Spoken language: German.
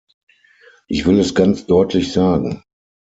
Ich will es ganz deutlich sagen.